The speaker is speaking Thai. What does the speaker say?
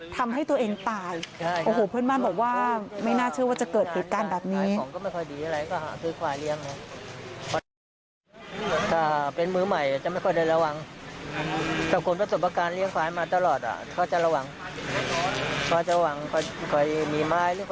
ทำให้ตัวเองตายโอ้โหเพื่อนบ้านบอกว่าไม่น่าเชื่อว่าจะเกิดเหตุการณ์แบบนี้